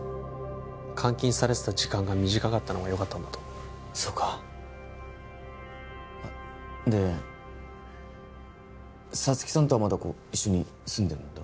監禁されてた時間が短かったのがよかったんだと思うそうかあっで沙月さんとはまだ一緒に住んでるんだろ？